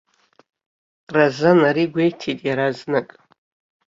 Разан ари гәеиҭеит иаразнак.